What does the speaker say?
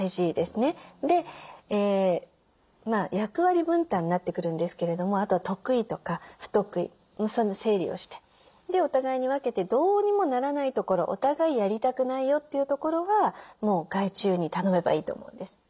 で役割分担になってくるんですけれどもあとは得意とか不得意その整理をしてでお互いに分けてどうにもならないところお互いやりたくないよっていうところはもう外注に頼めばいいと思うんです。